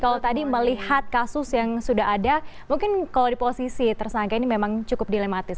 kalau tadi melihat kasus yang sudah ada mungkin kalau di posisi tersangka ini memang cukup dilematis